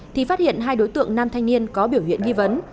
thì phát hiện hai đối tượng nam thanh niên có biểu hiện nghi vấn